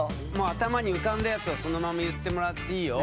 頭に浮かんだやつをそのまま言ってもらっていいよ。